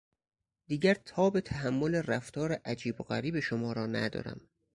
دیگر تاب تحمل رفتار عجیب و غریب شما را ندارم.